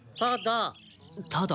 ただ。